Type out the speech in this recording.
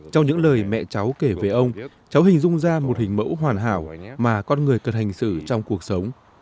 trong những lời mẹ cháu kể về ông cháu hình dung ra một hình mẫu hoàn hảo mà con người cần hành xử trong cuộc sống